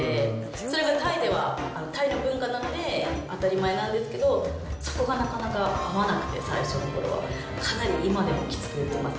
それがタイでは、タイの文化なので当たり前なんですけど、そこがなかなか合わなくて、最初のころは、かなり今でもきつく言ってます。